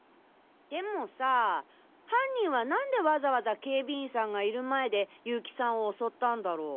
でもさ犯人はなんでわざわざ警備員さんがいる前で結城さんを襲ったんだろ？